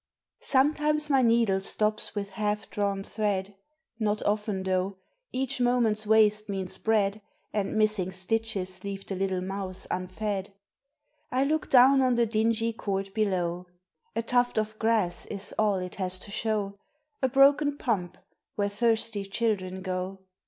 SOMETIMES my needle stops with half drawn thread (Not often though, each moment's waste means bread, And missing stitches leave the little mouths unfed). I look down on the dingy court below: A tuft of grass is all it has to show, A broken pump, where thirsty children go.